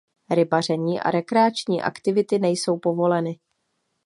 Rybaření a rekreační aktivity nejsou povoleny.